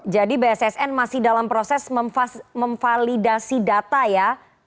jadi bssn masih dalam proses memvalidasi data ya